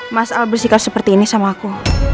mas al bersikap seperti ini sama aku